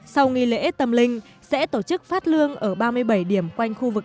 sau nghi lễ tâm linh sẽ tổ chức phát lương ở ba mươi bảy điểm quanh khu vực